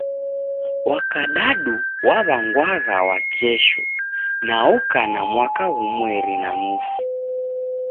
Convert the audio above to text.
Wa kadadu waw'angwagha Wakesho na oka na mwaka ghumweri na nusu.